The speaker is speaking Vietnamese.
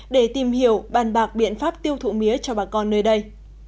để tìm hiểu bàn bạc biện pháp tiêu thụ mía cho bà con nơi đây